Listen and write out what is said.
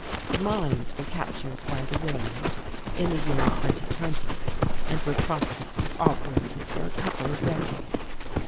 The mines were captured by the World in the year 2020, and were profitably operated for a couple of decades.